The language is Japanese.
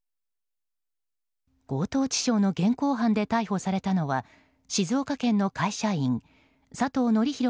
強盗致傷の現行犯で逮捕されたのは静岡県の会社員佐藤紀裕